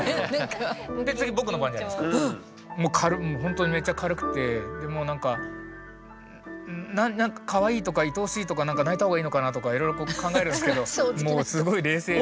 ほんとにめちゃ軽くてもうなんかかわいいとか愛おしいとかなんか泣いた方がいいのかなとかいろいろ考えるんですけどすごい冷静で。